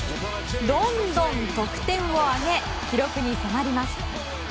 どんどん得点を挙げ記録に迫ります。